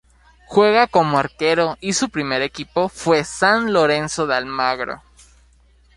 Juega como arquero y su primer equipo fue San Lorenzo de Almagro.